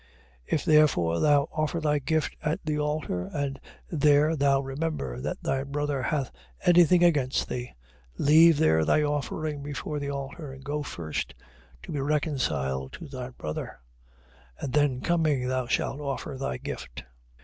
If therefore thou offer thy gift at the altar, and there thou remember that thy brother hath anything against thee; 5:24. Leave there thy offering before the altar, and go first to be reconciled to thy brother, and then coming thou shalt offer thy gift.